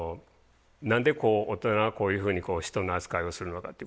何でこう大人はこういうふうに人の扱いをするのかってことが。